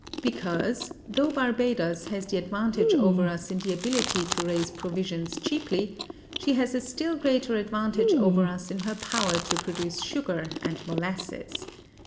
Because, though Barbadoes has the advantage over us in the ability to raise provisions cheaply, she has a still greater advantage over us in her power to produce sugar and molasses.